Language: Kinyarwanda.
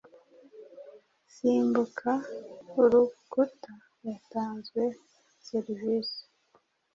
Simbuka urukuta yatanzwe serivisi